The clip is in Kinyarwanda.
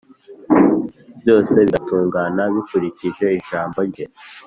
byose bigatungana bikurikije ijambo rye.